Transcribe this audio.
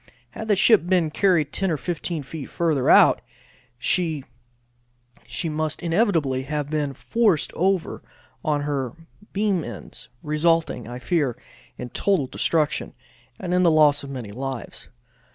Had the ship been carried 10 or 15 feet further out, she must inevitably have been forced over on her beam ends, resulting, I fear, in her total destruction, and in the loss of many lives.